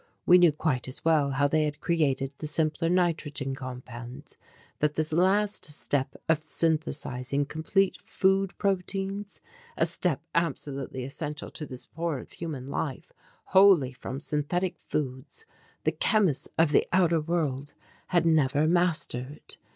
We knew quite as well how they had created the simpler nitrogen compounds, that this last step of synthesizing complete food proteins a step absolutely essential to the support of human life wholly from synthetic foods the chemists of the outer world had never mastered.